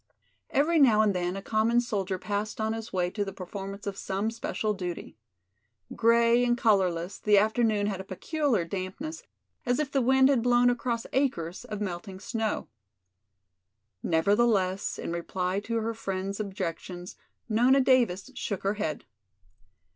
Every now and then a common soldier passed on his way to the performance of some special duty. Gray and colorless, the afternoon had a peculiar dampness as if the wind had blown across acres of melting snow. Nevertheless in reply to her friends' objections Nona Davis shook her head.